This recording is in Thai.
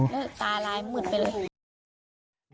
แล้วตาลายมืดไปเลย